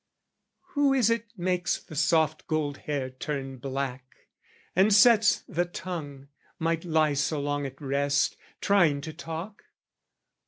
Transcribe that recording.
Who is it makes the soft gold hair turn black, And sets the tongue, might lie so long at rest, Trying to talk?